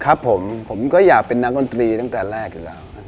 ครับผมผมก็อยากเป็นนักดนตรีตั้งแต่แรกอยู่แล้ว